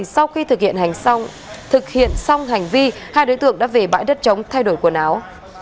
sau khi thực hiện xong hành vi hai đối tượng đã về bãi đất chống thay đổi quần áo